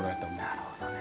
なるほどね。